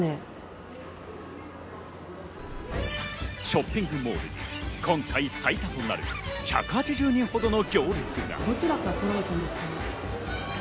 ショッピングモールに、今回、最多となる１８０人ほどの行列が。